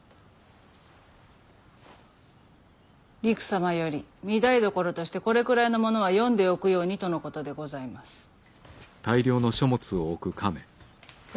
りく様より御台所としてこれくらいのものは読んでおくようにとのことでございます。